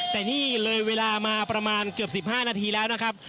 แต่นี่เลยเวลามาประมาณเกือบ๑๕นาทีแล้วนะครับ